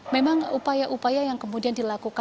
memang upaya upaya yang kemudian dilakukan